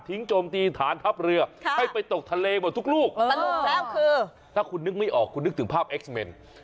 โจมตีฐานทัพเรือให้ไปตกทะเลหมดทุกลูกสรุปแล้วคือถ้าคุณนึกไม่ออกคุณนึกถึงภาพเอ็กซ์เมน